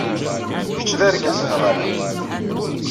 Kečč d argaz, neɣ ala?